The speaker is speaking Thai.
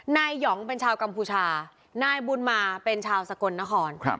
หยองเป็นชาวกัมพูชานายบุญมาเป็นชาวสกลนคร